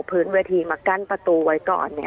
พื้นเวทีมากั้นประตูไว้ก่อน